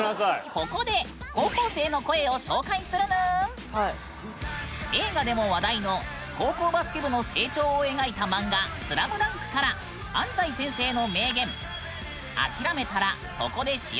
ここで映画でも話題の高校バスケ部の成長を描いた漫画「ＳＬＡＭＤＵＮＫ」からあなるほど。